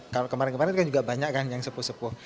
kalau kemarin kemarin kan juga banyak kan yang sepuh sepuh